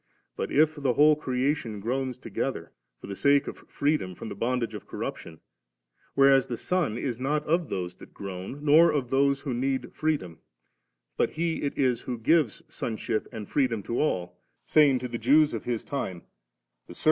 But if the whole crea tion groans together, for the sake of freedom from the bondage of corruption, whereas the Son is not of those that groan nor of those who need freedom, but He it is who gives sonship and freedom to all, saying to the Jews of His ,Strai.